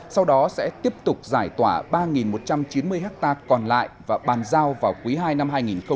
sau đó sẽ tiếp tục giải tỏa ba một trăm chín mươi hectare còn lại và bàn giao vào quý ii năm hai nghìn hai mươi